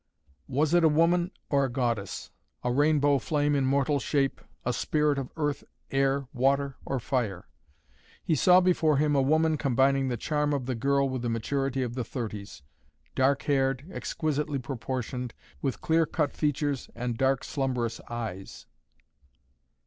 Was it a woman, or a goddess? A rainbow flame in mortal shape, a spirit of earth, air, water or fire? He saw before him a woman combining the charm of the girl with the maturity of the thirties, dark haired, exquisitely proportioned, with clear cut features and dark slumbrous eyes.